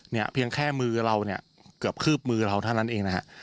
เพียงแค่มือเราเนี่ยเกือบคืบมือเราเท่านั้นเองนะฮะ